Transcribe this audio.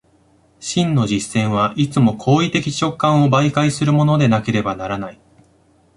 真の実践はいつも行為的直観を媒介するものでなければならない。